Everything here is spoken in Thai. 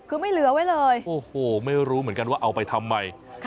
คือไม่เหลือไว้เลยโอ้โหไม่รู้เหมือนกันว่าเอาไปทำไม